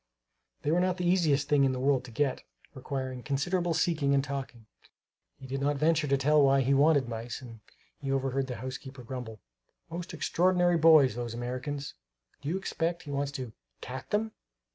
They were not the easiest thing in the world to get, requiring considerable seeking and talking. He did not venture to tell why he wanted mice; and he overheard the housekeeper grumble: "Most extraordinary boys, those Americans! Do you expect he wants to cat them?"